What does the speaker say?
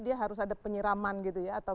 dia harus ada penyiraman gitu ya atau